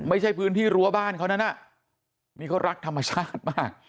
ไม่ใช่พื้นที่รั้วบ้านเขานั้นน่ะนี่เขารักธรรมชาติมาก